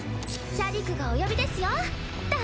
シャディクがお呼びですよだ